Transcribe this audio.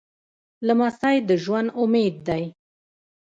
لمسی د ژوند امید دی.